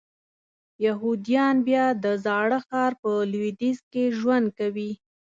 یهودیان بیا د زاړه ښار په لویدیځ کې ژوند کوي.